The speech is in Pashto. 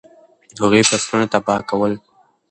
هغوی فصلونه تباه کول.